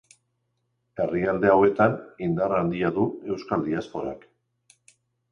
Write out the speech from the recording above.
Herrialde hauetan indar handia du euskal diasporak.